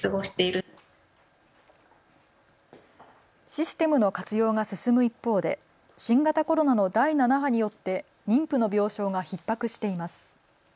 システムの活用が進む一方で新型コロナの第７波によって妊婦の病床がひっ迫しています。